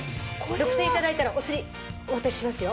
６０００円頂いたらお釣りお渡ししますよ。